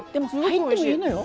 入ってもいいのよ。